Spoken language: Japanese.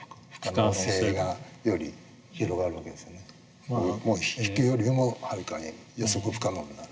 だからこれが弾くよりもはるかに予測不可能になる。